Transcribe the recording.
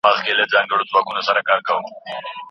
ستا د یادونو لړۍ به تل راسره وي.